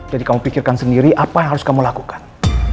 jadi kamu pikirkan sendiri apa yang harus kamu lakukan